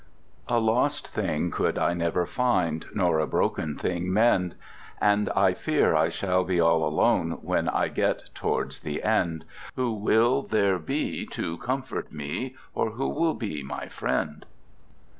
A lost thing could I never find, Nor a broken thing mend: And I fear I shall be all alone When I get towards the end. Who will there be to comfort me Or who will be my friend?